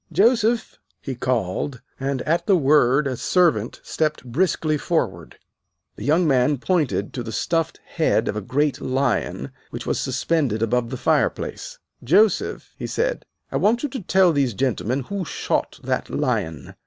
"Joseph!" he called, and at the word a servant stepped briskly forward. The young man pointed to the stuffed head of a great lion which was suspended above the fireplace. "Joseph," he said, "I want you to tell these gentlemen who shot that lion.